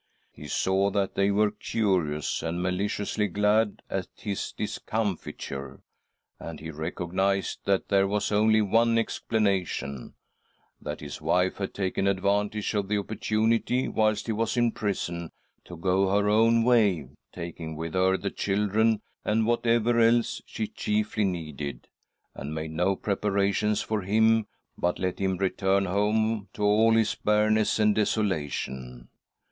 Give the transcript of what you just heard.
" He saw that they were curious, and maliciously glad at his discomfiture, and he recognised that there was only one explanation — that his wife had taken advantage of the opportunity, whilst he was in prison, to go her own way, taking with her the children and whatever else she chiefly needed, and made no preparations for him, but let him return home to all this bareness and desolation.